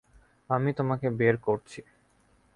আমি তোমাকে বের করছি।